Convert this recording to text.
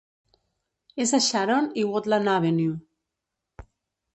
És a Sharon i Woodland Avenue.